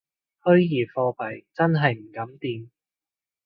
虛擬貨幣真係唔敢掂